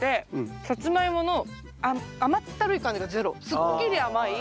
すっきり甘い。